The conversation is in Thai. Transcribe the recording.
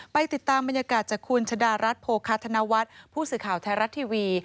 ไปติดตามบรรยากาศจากคุณชะดารัฐโภคาธนวัฒน์ผู้สื่อข่าวไทยรัฐทีวี